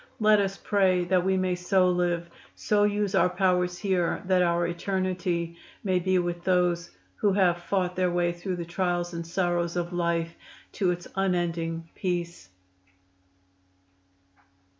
Let us pray that we may so live, so use our powers here that our eternity may be with those who have fought their way through the trials and sorrows of life to its unending peace."